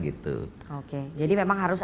gitu oke jadi memang harus